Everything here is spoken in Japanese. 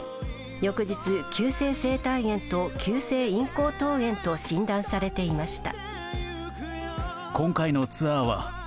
翌日、急性声帯炎と急性咽喉頭炎と診断されていました。